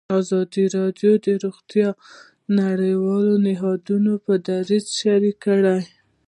ازادي راډیو د روغتیا د نړیوالو نهادونو دریځ شریک کړی.